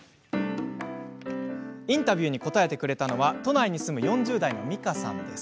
インタビューに答えてくれたのは都内に住む４０代のみかさんです。